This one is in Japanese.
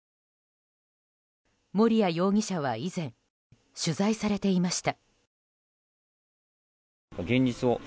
盛哉容疑者は以前取材されていました。